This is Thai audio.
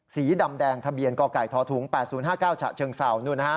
สีดำแดงทะเบียนกไก่ทถุง๘๐๕๙ฉะเชิงเศร้า